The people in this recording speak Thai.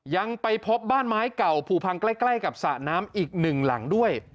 ยังไปพบบ้านไม้เก่าผูพังใกล้กับสระน้ำอีกหนึ่งหลังด้วย